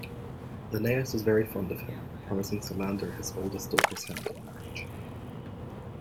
Linnaeus was very fond of him, promising Solander his oldest daughter's hand in marriage.